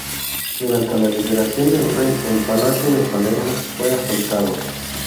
Durante la liberación del rey, el palacio de Palermo fue asaltado.